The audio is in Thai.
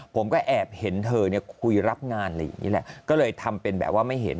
ผมก็แอบเห็นเธอเนี่ยคุยรับงานอะไรอย่างนี้แหละก็เลยทำเป็นแบบว่าไม่เห็น